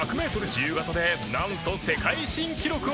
自由形でなんと世界新記録を樹立。